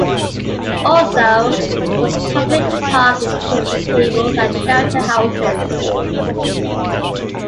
Also, there is a public park with picnic tables and shelterhouses.